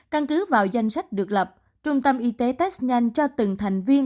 căn cứ vào danh sách được lập trung tâm y tế test nhanh cho từng thành viên